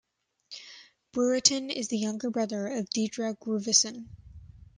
Brereton is the younger brother of Deirdre Grusovin.